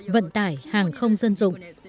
vận tải hàng không dân dụng